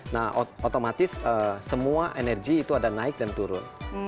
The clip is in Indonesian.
nah otomatis semua energi itu ada naik dan turun